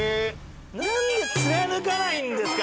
なんで貫かないんですか！